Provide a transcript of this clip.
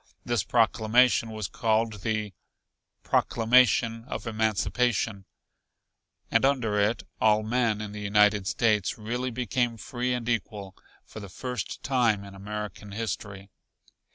This proclamation was called the "Proclamation of Emancipation," and under it all men in the United States really became free and equal, for the first time in American History.